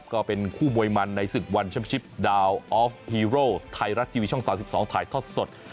ก็เป็นคู่มวยมันในศึกวันแชมป์ชิปดาวออฟฮีโร่ไทยรัฐทีวีช่อง๓๒ถ่ายทอดสด